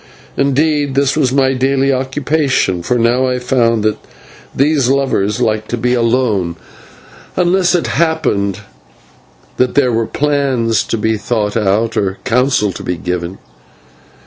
Indeed, this was my daily occupation, for now I found that these lovers liked to be alone, unless it happened that there were plans to be thought out or counsel to be given.